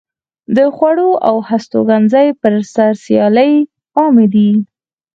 د خوړو او هستوګنځي پر سر سیالۍ عامې دي.